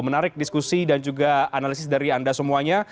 menarik diskusi dan juga analisis dari anda semuanya